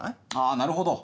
あなるほど。